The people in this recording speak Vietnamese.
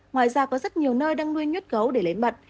ngoài ra có rất nhiều nơi đang nuôi nhốt gấu để lấy mật